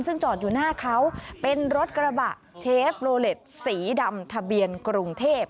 ซึ่งจอดอยู่หน้าเขาเป็นรถกระบะเชฟโลเล็ตสีดำทะเบียนกรุงเทพ